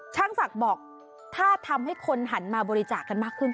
ช่างศักดิ์บอกถ้าทำให้คนหันมาบริจาคกันมากขึ้น